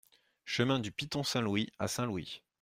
Chemin du Piton Saint-Louis à Saint-Louis